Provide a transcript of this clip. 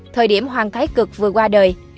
thời điểm hoàng thái cực vừa qua đời